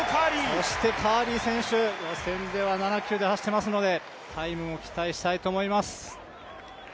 そしてカーリー選手予選では７９で走ってますのでタイムも期待したいと思います。